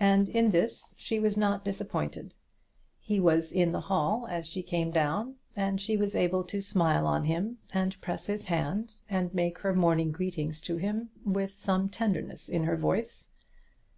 And in this she was not disappointed; he was in the hall as she came down, and she was able to smile on him, and press his hand, and make her morning greetings to him with some tenderness in her voice.